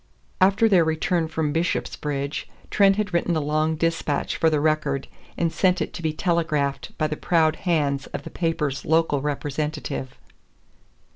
After their return from Bishopsbridge, Trent had written a long dispatch for the Record, and sent it to be telegraphed by the proud hands of the paper's local representative.